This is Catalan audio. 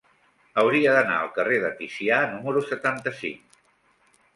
Hauria d'anar al carrer de Ticià número setanta-cinc.